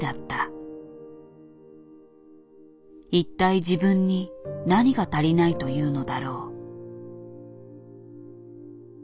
一体自分に何が足りないというのだろう。